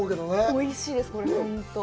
おいしいです、これ本当に。